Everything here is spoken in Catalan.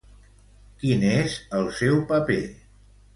Quin és el seu paper?